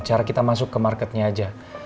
cara kita masuk ke marketnya aja